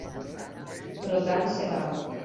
Però tant se val.